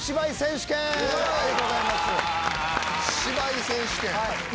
芝居選手権？